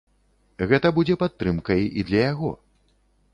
Гэта будзе падтрымкай і для яго.